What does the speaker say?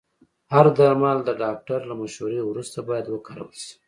هر درمل د ډاکټر له مشورې وروسته باید وکارول شي.